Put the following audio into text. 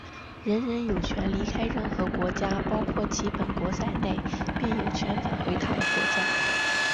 人人有权离开任何国家,包括其本国在内,并有权返回他的国家。